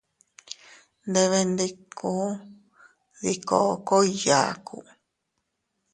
Nndebenndikun dii kookoy yaaku.